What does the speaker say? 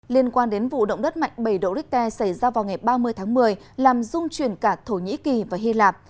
liên quan đến vụ động đất mạnh bầy dorite xảy ra vào ngày ba mươi tháng một mươi làm dung chuyển cả thổ nhĩ kỳ và hy lạp